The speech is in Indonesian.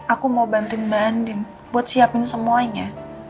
aku mau bantuin mbak andin buat siapin semuanya